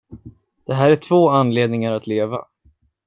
De här är två anledningar att leva.